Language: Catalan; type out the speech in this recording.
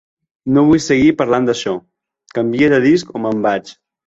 No vull seguir parlant d'això. Canvia de disc o me'n vaig.